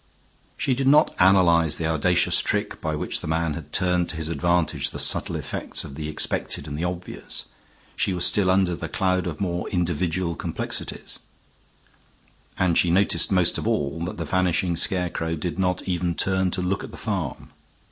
She did not analyze the audacious trick by which the man had turned to his advantage the subtle effects of the expected and the obvious; she was still under the cloud of more individual complexities, and she noticed most of all that the vanishing scarecrow did not even turn to look at the farm.